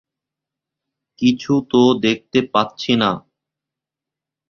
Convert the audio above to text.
কিছু তো দেখতে পাচ্ছি না।